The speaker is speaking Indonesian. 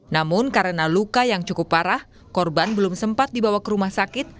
namun karena luka yang cukup parah korban belum sempat dibawa ke rumah sakit